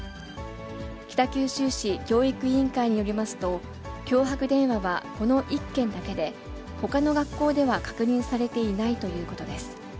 北九州市教育委員会によりますと、脅迫電話はこの１件だけで、ほかの学校では確認されていないということです。